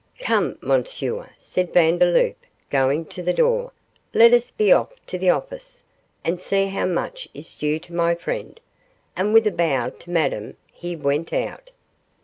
'Come, Monsieur,' said Vandeloup, going to the door, 'let us be off to the office and see how much is due to my friend,' and with a bow to Madame, he went out.